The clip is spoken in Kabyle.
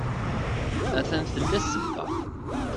A-t-an tella ssebba.